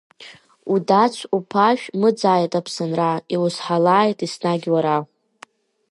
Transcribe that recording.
Удац-уԥашә мыӡааит Аԥсынра, иузҳалааит еснагь уара.